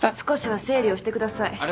少しは整理をしてください。